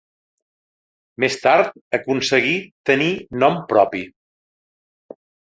Més tard aconseguí tenir nom propi.